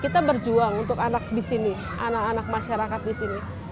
kita berjuang untuk anak di sini anak anak masyarakat di sini